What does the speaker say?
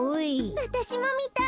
わたしもみたい。